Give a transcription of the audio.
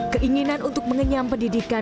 keinginan untuk mengenyam pendidikan